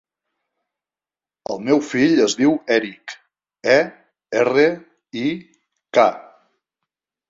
El meu fill es diu Erik: e, erra, i, ca.